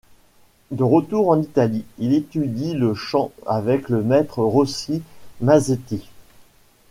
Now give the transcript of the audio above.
De retour en Italie, il étudie le chant avec le maître Rossi-Masetti.